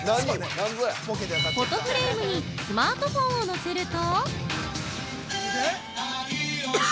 ◆フォトフレームにスマートフォンを載せると